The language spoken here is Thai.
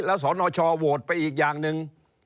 แล้วสนชโหวตไปอีกอย่างหนึ่ง